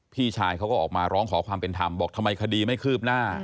พี่ชายเขาก็ออกมาร้องขอความเป็นธรรมบอกทำไมคดีไม่คืบหน้า